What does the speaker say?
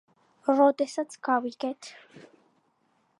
როდესაც გავიგეთ.